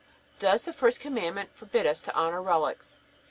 Does the first Commandment forbid us to honor relics?